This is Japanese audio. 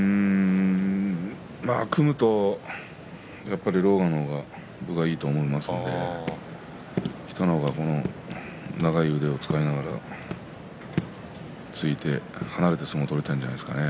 組むとやっぱり狼雅の方が分がいいと思いますので北の若はこの長い腕を使いながら突いて離れて相撲を取りたいんじゃないですか。